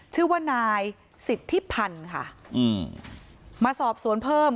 ชื่อว่านายศิษย์ทิพัณฑ์ค่ะมาสอบสวนเพิ่ม